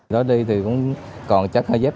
đó đi thì còn chắc hơi dếp